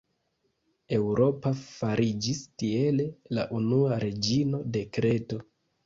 Eŭropa fariĝis, tiele, la unua reĝino de Kreto.